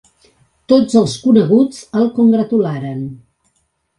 Tots els coneguts el congratularen.